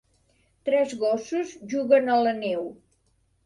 Tres gossos juguen a la neu